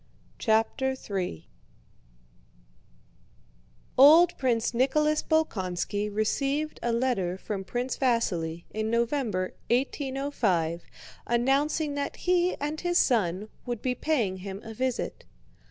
CHAPTER III Old Prince Nicholas Bolkónski received a letter from Prince Vasíli in November, 1805, announcing that he and his son would be paying him a visit.